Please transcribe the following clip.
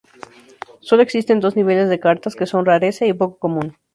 Solo existen dos niveles de cartas que son "rareza" y "poco común".